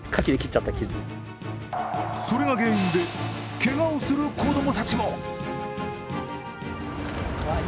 それが原因でけがをする子供たちも。